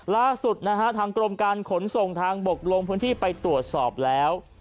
ล่าสุดนะฮะทางกรมการขนส่งทางบกลงพื้นที่ไปตรวจสอบแล้ว